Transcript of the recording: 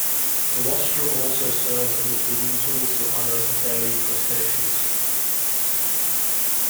The rostrum also serves as a digging tool to unearth buried crustaceans.